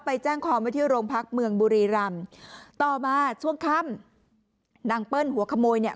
ไปแจ้งความไว้ที่โรงพักเมืองบุรีรำต่อมาช่วงค่ำนางเปิ้ลหัวขโมยเนี่ย